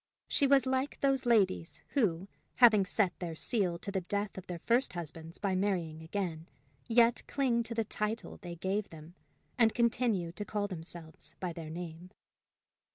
She was like those ladies who, having set their seal to the death of their first husbands by marrying again, yet cling to the title they gave them, and continue to call themselves by their name.